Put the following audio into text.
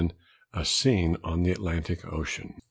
A SCENE ON THE ATLANTIC OCEAN.